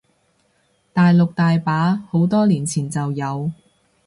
大陸大把，好多年前就有